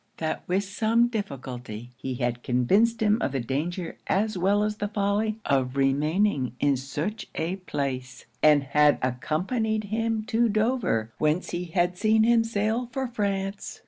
That with some difficulty he had convinced him of the danger as well as folly of remaining in such a place; and had accompanied him to Dover, whence he had seen him sail for France.